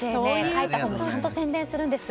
書いた本もちゃんと宣伝するんです。